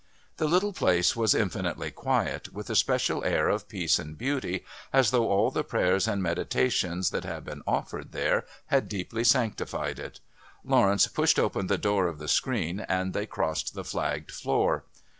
The little place was infinitely quiet, with a special air of peace and beauty as though all the prayers and meditations that had been offered there had deeply sanctified it; Lawrence pushed open the door of the screen and they crossed the flagged floor.